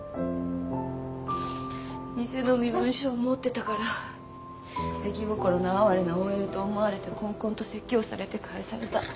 偽の身分証持ってたから出来心の哀れなＯＬと思われてこんこんと説教されて帰された。